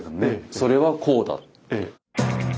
それはこうだと。